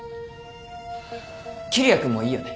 桐矢君もいいよね？